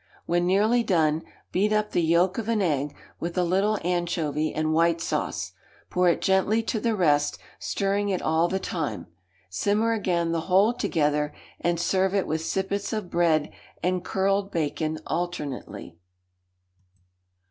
When nearly done, beat up the yolk of an egg, with a little anchovy and white sauce; pour it gently to the rest, stirring it all the time; simmer again the whole together, and serve it with sippets of bread and curled bacon alternately.